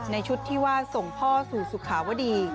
ในชุดที่ว่าส่งพ่อสู่สุขาวดี